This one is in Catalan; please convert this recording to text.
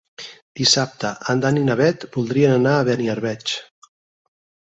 Dissabte en Dan i na Bet voldrien anar a Beniarbeig.